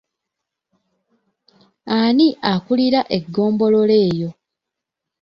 Ani akulira eggombolola eyo?